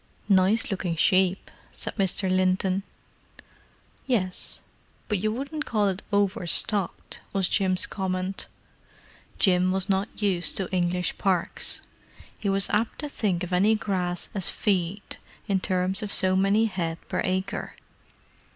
"Nice looking sheep," said Mr. Linton. "Yes, but you wouldn't call it over stocked," was Jim's comment. Jim was not used to English parks. He was apt to think of any grass as "feed," in terms of so many head per acre.